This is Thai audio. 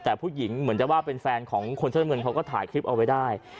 แต่ผู้หญิงเหมือนจะว่าเป็นแฟนของคนเสื้อน้ำเงินเขาก็ถ่ายคลิปเอาไว้ได้